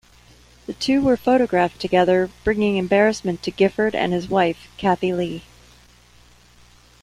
The two were photographed together, bringing embarrassment to Gifford and his wife, Kathie Lee.